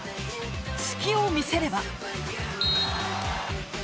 隙を見せれば。